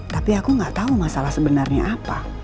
tapi aku gak tau masalah sebenarnya apa